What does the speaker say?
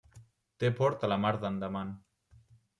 Té port a la mar d'Andaman.